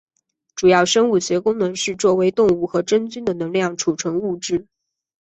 主要生物学功能是作为动物和真菌的能量储存物质。